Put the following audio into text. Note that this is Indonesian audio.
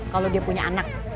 kalau dia punya anak